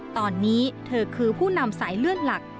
ตอนนี้เธอคือผู้นำสายเลือดหลัก